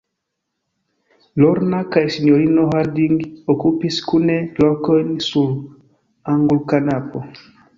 Lorna kaj sinjorino Harding okupis kune lokojn sur angulkanapo.